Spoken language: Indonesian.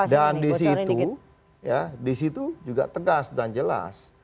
dan disitu ya disitu juga tegas dan jelas